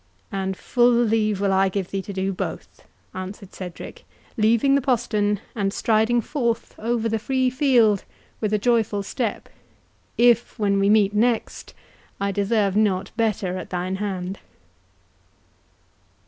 "And full leave will I give thee to do both," answered Cedric, leaving the postern, and striding forth over the free field with a joyful step, "if, when we meet next, I deserve not better at thine hand."